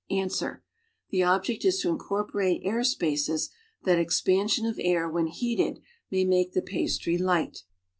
Ans. The object is to incorporate air spaces that expansion of air when heated may make the pastry light.